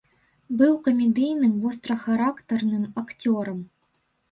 Быў камедыйным вострахарактарным акцёрам.